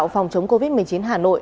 phó chủ tịch ubnd